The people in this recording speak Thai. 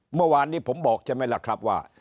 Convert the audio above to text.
เมื่อวานนี้ผมบอกใช่ไหมล่ะครับว่า